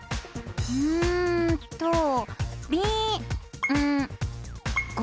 うんと「びんご」？